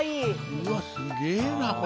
うわっすげえなこれ。